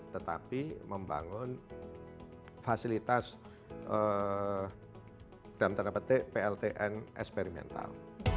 tetapi membangun fasilitas dalam tanda petik pltn eksperimental